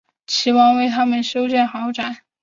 齐王为他们修建豪宅。